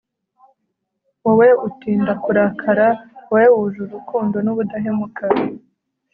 wowe utinda kurakara, wowe wuje urukundo n'ubudahemuka